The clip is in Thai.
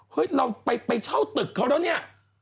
เราไปเช่าตึกเขาแล้วเนี่ย